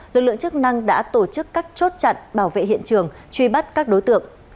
lực lượng chức năng đã tổ chức các chốt chặn bảo vệ hiện trường truy bắt các đối tượng